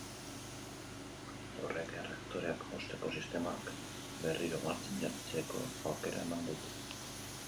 Horrek erreaktoreak hozteko sistemak berriro martxan jartzeko aukera emango du.